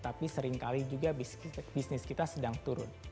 tapi seringkali juga bisnis kita sedang turun